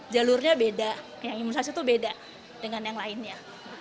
jalurnya beda yang imunisasi itu beda dengan yang lainnya